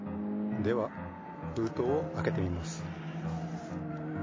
ではふうとうをあけてみます。